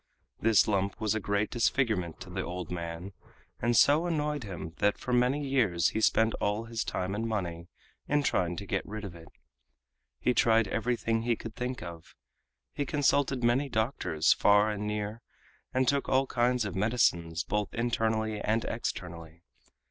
This lump was a great disfigurement to the old man, and so annoyed him that for many years he spent all his time and money in trying to get rid of it. He tried everything he could think of. He consulted many doctors far and near, and took all kinds of medicines both internally and externally.